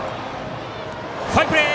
ファインプレー！